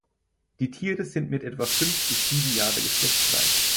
Die Tiere sind mit etwa fünf bis sieben Jahre geschlechtsreif.